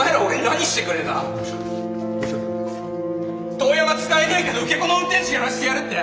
遠山使えねえけど受け子の運転手やらしてやるって？